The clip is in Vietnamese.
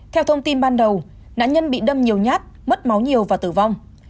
theo thông tin ban đầu nạn nhân bị đâm nhiều nhát mất máu nhiều và tử vong